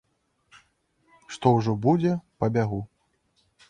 Што ўжо будзе, пабягу.